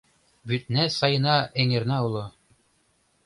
Вӱдна сайына эҥерна уло